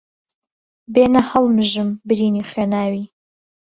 بێنه ههڵمژم برینی خوێناوی